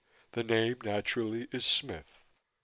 The name, naturally, is Smith."